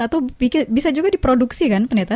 atau bisa juga diproduksi kan penetapan